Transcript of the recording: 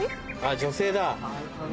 女性だ。